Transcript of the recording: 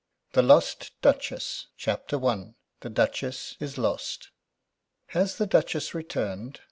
THE LOST DUCHESS. CHAPTER I. THE DUCHESS IS LOST. "Has the Duchess returned?"